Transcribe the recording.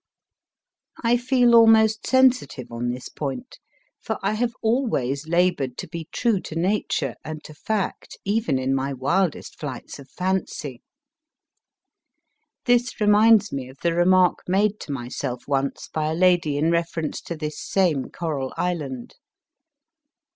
I feel almost sensitive on this point, for I have always laboured to be true to nature and to fact even in my wildest flights of fancy. This reminds me of the remark made to myself once by a lady in reference to this same Coral Island.